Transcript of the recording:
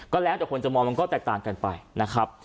ก็แล้วแต่คนจะมองมันก็แตกต่างกันไปนะครับ